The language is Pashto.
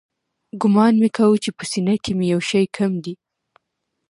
ګومان مې کاوه چې په سينه کښې مې يو شى کم دى.